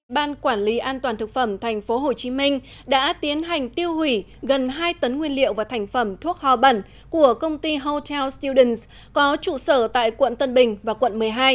ban quản lý an toàn thực phẩm tp hcm đã tiến hành tiêu hủy gần hai tấn nguyên liệu và thành phẩm thuốc hò bẩn của công ty hotel studence có trụ sở tại quận tân bình và quận một mươi hai